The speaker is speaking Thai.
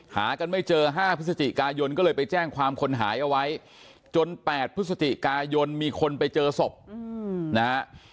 หากันไม่เจอ๕พฤศจิกายนก็เลยไปแจ้งความคนหายเอาไว้จน๘พฤศจิกายนมีคนไปเจอศพนะฮะ